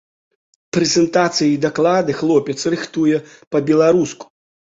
Прэзентацыі і даклады хлопец рыхтуе па-беларуску.